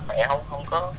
mẹ không có